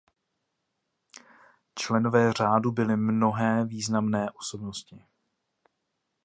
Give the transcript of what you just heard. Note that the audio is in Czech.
Členové řádu byly mnohé významné osobnosti.